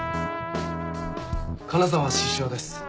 金沢獅子王です。